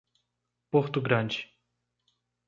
Porto Grande